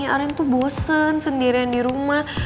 orang tuh bosen sendirian di rumah